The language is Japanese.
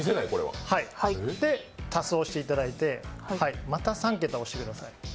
で、足すを押していただいて、また３桁を押してください。